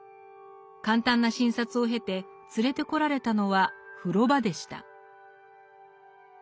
簡単な診察を経て連れてこられたのは風呂場でした。